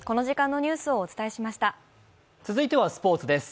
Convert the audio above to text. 続いてはスポーツです。